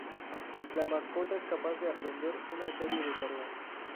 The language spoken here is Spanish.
La mascota es capaz de aprender una serie de tareas.